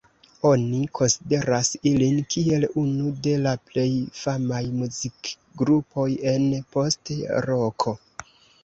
Oni konsideras ilin kiel unu de la plej famaj muzikgrupoj en post-roko.